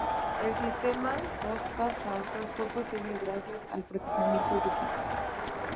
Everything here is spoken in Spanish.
El sistema Cospas-Sarsat fue posible gracias al procesamiento Doppler.